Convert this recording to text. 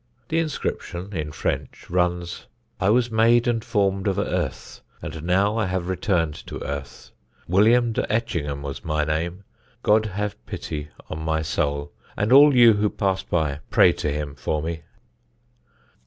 The inscription, in French, runs: "I was made and formed of Earth; and now I have returned to Earth. William de Etchingham was my name. God have pity on my soul; and all you who pass by, pray to Him for me."